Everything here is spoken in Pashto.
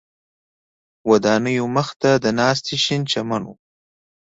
ودانیو مخ ته د ناستي شین چمن و.